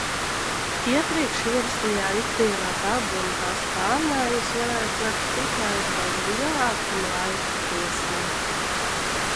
Iepriekš ierastajā ikdienā dabu un tās pārmaiņas varēja tvert tikai pa lielākam laika posmam.